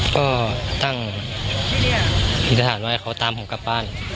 ก็ตั้งนิษฐานว่าให้เขาตามผมกลับบ้าน